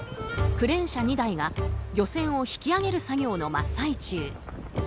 クレーン車２台が漁船を引き揚げる作業の真っ最中。